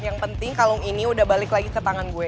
yang penting kalung ini udah balik lagi ke tangan gue